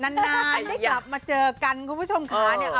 นานได้กลับมาเจอกันคุณผู้ชมค่ะ